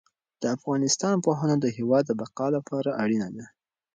د افغانستان پوهنه د هېواد د بقا لپاره اړینه ده.